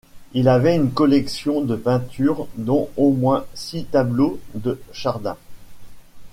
Il avait une collection de peintures dont au moins six tableaux de Chardin.